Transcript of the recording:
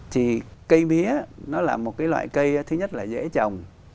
thì cây mía nó là một cái loại cây thứ nhất là dễ trồng